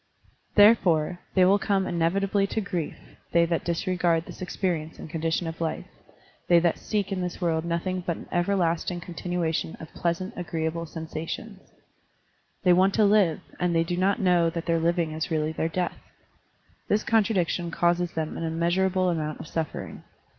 Therefore, they will come inevitably to grief — ^they that disregard this experience and con dition of life, they that seek in this world nothing but an everlasting continuation of pleasant, Digitized by Google Io6 SERMONS OP A BUDDHIST ABBOT agreeable sensations. They want to live, and they do not know that their living is really their death. This contradiction causes them an im measurable amount of suffering.